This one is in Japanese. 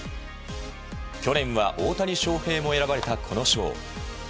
去年は大谷翔平も選ばれたこの賞。